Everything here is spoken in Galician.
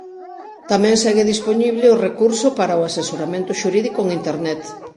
Tamén segue dispoñible o recurso para o asesoramento xurídico en Internet.